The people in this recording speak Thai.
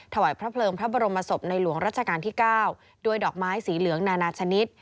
ถวายพระเพลิงพระบรมศพในหลวงรัชกาลที่๙ด้วยดอกไม้สีเหลืองนานาชนิด